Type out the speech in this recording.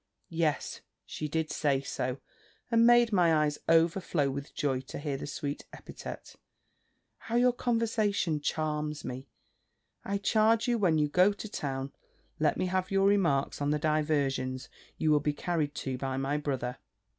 Yes, she did say so! and made my eyes overflow with joy to hear the sweet epithet. "How your conversation charms me! I charge you, when you get to town, let me have your remarks on the diversions you will be carried to by my brother.